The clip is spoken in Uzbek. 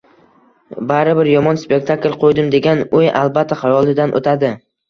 “Baribir, yomon spektakl qo‘ydim” degan o‘y albatta xayolidan o‘tadi.